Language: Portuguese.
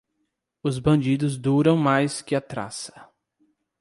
Os bandidos duram mais que a traça.